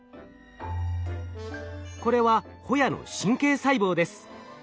これはホヤの神経細胞です。